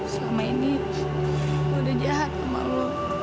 selama ini gue udah jahat sama lo